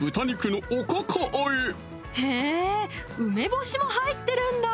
へぇ梅干しも入ってるんだ！